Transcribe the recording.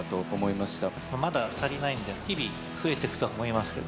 まだ足りないんで、日々増えていくと思いますけど。